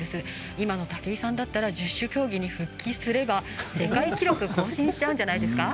今の武井さんだったら十種競技に復帰すれば世界記録更新しちゃうんじゃないんですか。